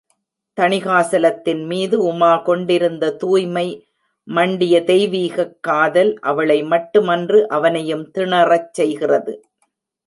தணிகாசலத்தின் மீது உமா கொண்டிருந்த தூய்மை மண்டிய தெய்வீகக் காதல் அவளைமட்டு மன்று அவனையும் திணறச் செய்கிறது!